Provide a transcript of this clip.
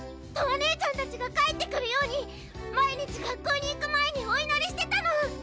とわ姉ちゃん達が帰ってくるように毎日学校に行く前にお祈りしてたの！